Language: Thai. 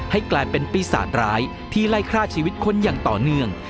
ให้กลายเป็นปีศาจร้ายที่ไล่ฆ่าชีวิตคนอย่างต่อเนื่อง